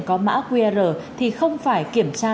có mã qr thì không phải kiểm tra